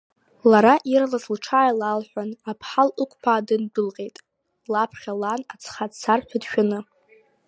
Лара ирлас лҽааилалҳәан, аԥҳал ықәԥаа дындәылҟьеит, лаԥхьа лан аӡха дцар ҳәа дшәаны.